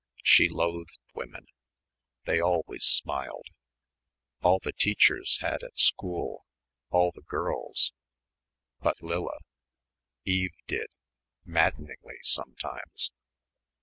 She loathed women. They always smiled. All the teachers had at school, all the girls, but Lilla. Eve did ... maddeningly sometimes